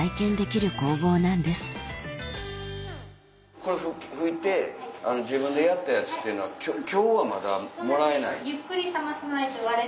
これ吹いて自分でやったやつっていうのは今日はまだもらえない？